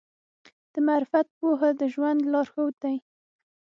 د معرفت پوهه د ژوند لارښود دی.